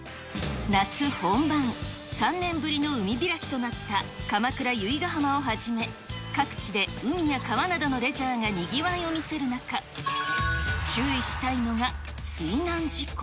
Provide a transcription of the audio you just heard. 夏本番、３年ぶりの海開きとなった鎌倉・由比ガ浜をはじめ、各地で海や川などのレジャーがにぎわいを見せる中、注意したいのが水難事故。